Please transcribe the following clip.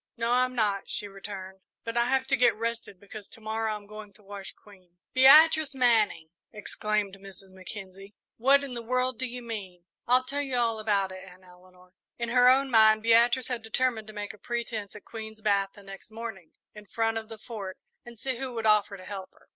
"No, I'm not," she returned; "but I have to get rested, because to morrow I'm going to wash Queen." "Beatrice Manning!" exclaimed Mrs. Mackenzie. "What in the world do you mean?" "I'll tell you all about it, Aunt Eleanor." In her own mind Beatrice had determined to make a pretence at Queen's bath the next morning, in front of the Fort, and see who would offer to help her.